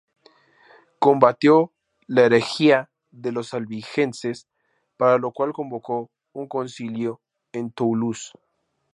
Combatió la herejía de los albigenses para lo cual convocó un concilio en Toulouse.